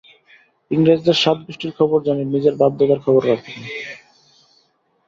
ইংরেজদের সাতগুষ্টির খবর জানি, নিজের বাপ-দাদার খবর রাখি না।